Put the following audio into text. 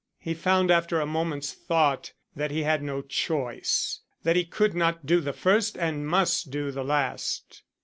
He found after a moment's thought that he had no choice; that he could not do the first and must do the last.